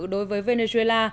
đối với venezuela